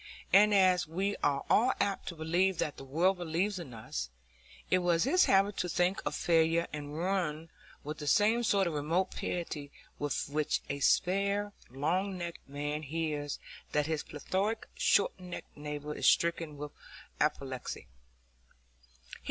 And as we are all apt to believe what the world believes about us, it was his habit to think of failure and ruin with the same sort of remote pity with which a spare, long necked man hears that his plethoric short necked neighbour is stricken with apoplexy.